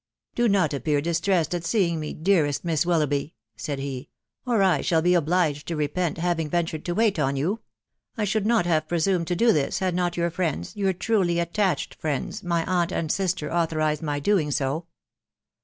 " Do not appear distressed at seeing me, dearest Miss Wil loughby," said he, " or I shall be obliged to repent having ventured to wait on you. I should not have presumed to do this, had not your friends, your truly attached friends, my aunt and sister, authorised my doing so."